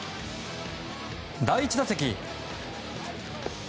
第１打席。